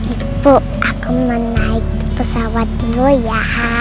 ibu aku mau naik pesawat dulu ya